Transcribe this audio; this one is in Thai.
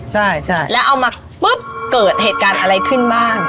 ใช่แล้วเอามาปุ๊บเกิดเหตุการณ์อะไรขึ้นบ้าง